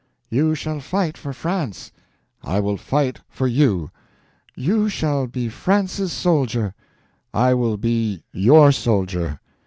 —"you shall fight for France—" "I will fight for you!" "You shall be France's soldier—" "I will be your soldier!"